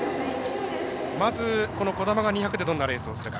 まず兒玉が２００でどんなレースをするか。